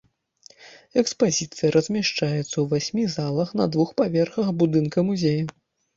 Экспазіцыя размяшчаецца ў васьмі залах на двух паверхах будынка музея.